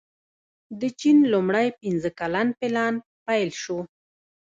د چین لومړی پنځه کلن پلان پیل شو.